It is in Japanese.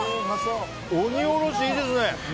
鬼おろし、いいですね。